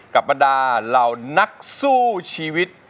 กับประดาษณ์เหล่านักสู้ชีวิต